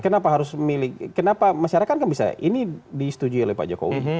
kenapa harus memilih kenapa masyarakat kan bisa ini disetujui oleh pak jokowi